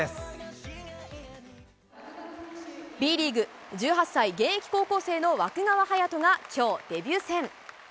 Ｂリーグ、１８歳現役高校生の湧川颯斗がきょう、デビュー戦。